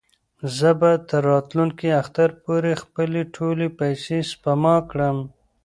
زه به تر راتلونکي اختر پورې خپلې ټولې پېسې سپما کړم.